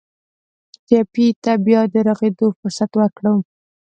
ټپي ته باید د روغېدو فرصت ورکړو.